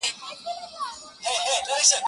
سپینه آیینه سوم له غباره وځم,